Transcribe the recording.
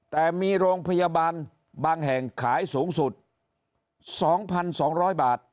แต่มีโรงพยาบาลบางแห่งขายสูงสุด๒๒๐๐บาท